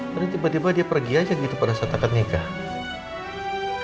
berarti tiba tiba dia pergi aja gitu pada saat akad nikah